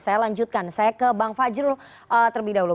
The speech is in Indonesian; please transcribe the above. saya lanjutkan saya ke bang fajrul terlebih dahulu